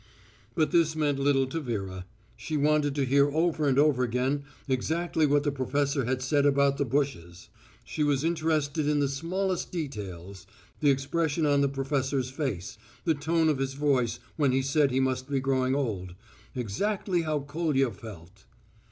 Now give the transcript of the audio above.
But this meant little to Vera. She wanted to hear over and over again exactly what the professor had said about the bushes. She was interested in the smallest details the expression on the professor's face, the tone of his voice when he said he must be growing old, exactly how Kolya felt....